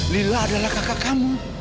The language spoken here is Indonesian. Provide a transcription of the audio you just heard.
lila adalah kakak kamu